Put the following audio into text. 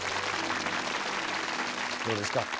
どうですか？